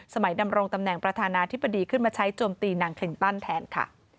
ดำรงตำแหน่งประธานาธิบดีขึ้นมาใช้โจมตีนางคลินตันแทนค่ะ